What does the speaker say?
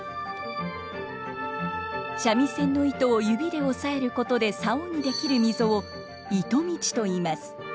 三味線の糸を指で押さえることで棹に出来る溝を糸道といいます。